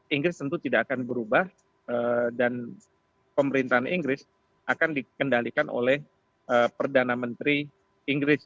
inggris tentu tidak akan berubah dan pemerintahan inggris akan dikendalikan oleh perdana menteri inggris